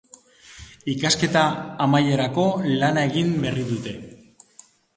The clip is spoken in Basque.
Ikasketa amaierako lana egin berri dute.